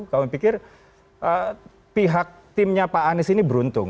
kami pikir pihak timnya pak anies ini beruntung